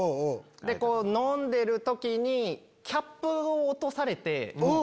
こう飲んでる時にキャップを落とされて。